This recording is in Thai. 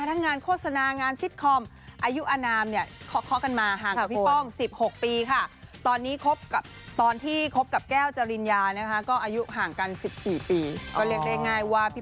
ทั้งงานโฆษณางานสิตคอมอายุอนามเนี่ย